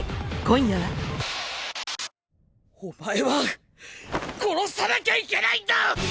お前は殺さなきゃいけないんだ！